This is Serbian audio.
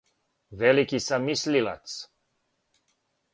Велики сам мислилац.